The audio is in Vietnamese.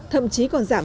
thậm chí còn giảm